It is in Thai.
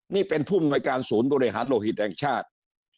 นี่เป็นผู้บริการศูนย์ตัวเรทโลหิตแห่งชาติ